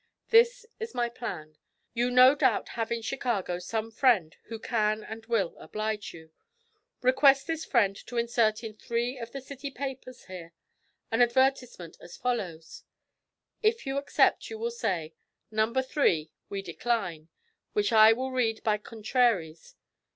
'This is my plan: You no doubt have in Chicago some friend who can and will oblige you. Request this friend to insert in three of the city papers here an advertisement as follows: If you accept you will say, "Number three, we decline," which I will read by contraries.